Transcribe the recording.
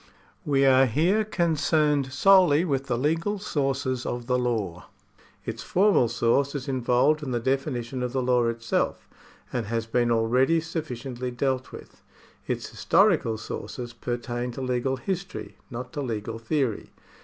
We are here concerned solely with the legal sources of the law. Its formal source is involved in the definition of the law itself, and has been already sufficiently dealt with. Its historical sources pertain to legal history, not to legal theory.